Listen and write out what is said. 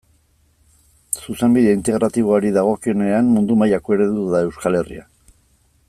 Zuzenbide Integratiboari dagokionean mundu mailako eredu da Euskal Herria.